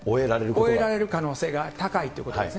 終えられる可能性が高いということですね。